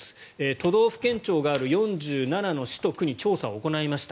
都道府県庁がある４７の市と区に調査を行いました。